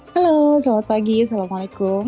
halo selamat pagi assalamualaikum